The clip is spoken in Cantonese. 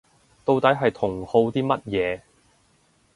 到底係同好啲乜嘢